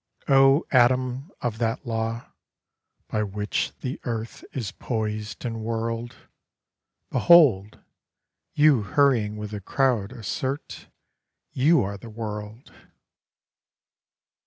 "O atom of that law, by which the earth Is poised and whirled; Behold! you hurrying with the crowd assert You are the world."